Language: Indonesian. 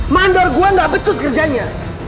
mandor gue gak becut kerjanya